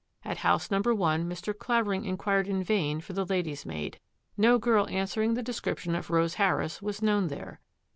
At house number one Mr. Clavering inquired in vain for the lady's maid. No girl answering the description of Rose Harris was known there.